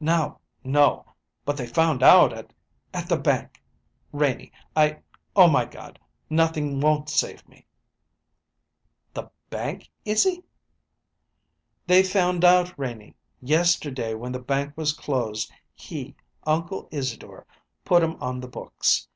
"No, no; but they found out at at the bank, Renie. I oh, my God! Nothing won't save me!" "The bank, Izzy?" "They found out, Renie. Yesterday, when the bank was closed, he Uncle Isadore put 'em on the books.